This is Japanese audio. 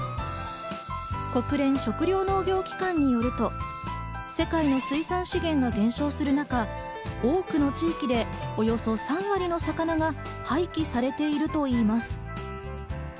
国連食糧農業機関によると、世界の水産資源が減少する中、多くの地域でおよそ３割の魚が廃棄されているといいます。